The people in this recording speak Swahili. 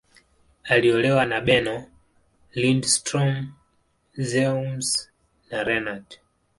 Aliolewa na Bernow, Lindström, Ziems, na Renat.